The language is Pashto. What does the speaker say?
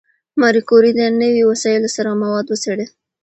ماري کوري د نوي وسایلو سره مواد وڅېړل.